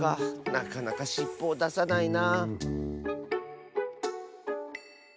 なかなかしっぽをださないな。